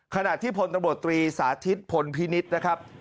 ขณะที่พลตำรวจตรีสาธิตพลพินิษฐ์นะครับ